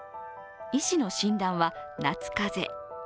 医師の診断は夏風邪。